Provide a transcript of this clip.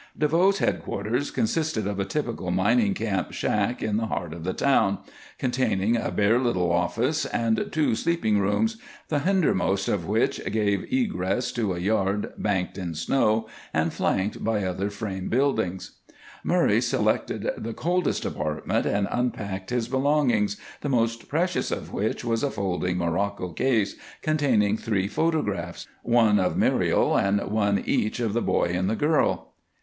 DeVoe's headquarters consisted of a typical mining camp shack in the heart of the town, containing a bare little office and two sleeping rooms, the hindermost of which gave egress to a yard banked in snow and flanked by other frame buildings. Murray selected the coldest apartment and unpacked his belongings, the most precious of which was a folding morocco case containing three photographs one of Muriel and one each of the boy and the girl.